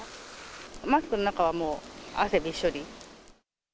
マスクの中はもう汗びっしょり。